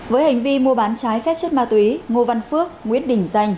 với hành vi mua bán trái phép chất ma túy ngô văn phước nguyễn đình danh